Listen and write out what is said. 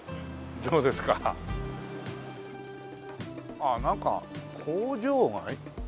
ああなんか工場街？